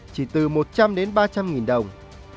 chỉ từ một trăm linh đến ba trăm linh nghìn đồng